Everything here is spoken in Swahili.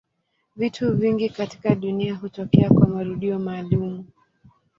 Vitu vingi katika dunia hutokea kwa marudio maalumu.